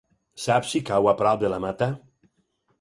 Saps si cau a prop de la Mata?